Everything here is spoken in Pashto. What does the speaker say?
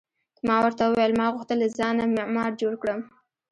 ما ورته وویل: ما غوښتل له ځانه معمار جوړ کړم.